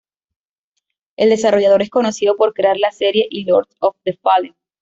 El desarrollador es conocido por crear la serie y Lords of the Fallen.